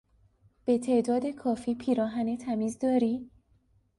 به تعداد کافی پیراهن تمیز داری؟